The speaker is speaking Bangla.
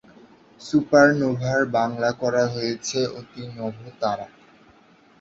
সুপারনোভার বাংলা করা হয়েছে অতিনবতারা।